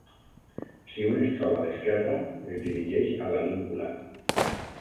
Si un es troba a l'esquerra, es dirigeix a la língula.